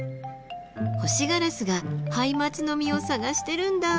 ホシガラスがハイマツの実を探してるんだあ。